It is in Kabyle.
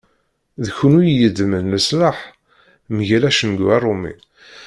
D kunwi i yeddmen leslaḥ mgal acengu arumi.